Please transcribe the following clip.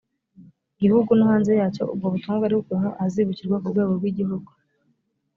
gihugu no hanze yacyo ubwo butumwa bwari bukubiyemo ahazibukirwa ku rwego rw igihugu